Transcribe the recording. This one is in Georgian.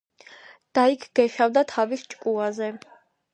და იქ გეშავდა თავის ჭკუაზე